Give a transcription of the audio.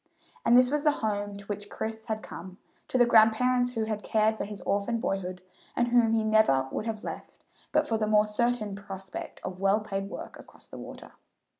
And this was the home to which Chris had come to the grandparents who had cared for his orphaned boyhood, and whom he never would have left but for the more certain prospect of well paid work across the water.